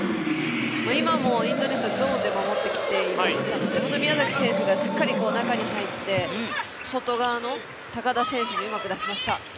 今もインドネシアゾーンで守ってきていましたので本当に宮崎選手がしっかり中に入って、外側の高田選手にうまく出しました。